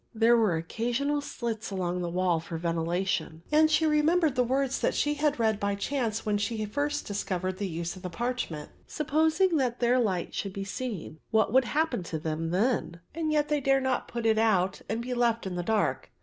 There were occasional slits along the wall for ventilation and she remembered the words that she had read by chance when she first discovered the use of the parchment. Supposing that their light should be seen; what would happen to them then? and yet they dare not put it out and be left in the dark.